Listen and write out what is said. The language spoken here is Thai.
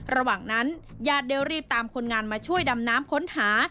ระหว่างนั้นญาติได้รีบตามคนงานมาช่วยดำน้ำค้นหา